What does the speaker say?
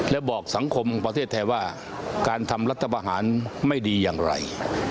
และบอกสังคมประเทศไทยว่าการทำรัฐประหารไม่ดีอย่างไร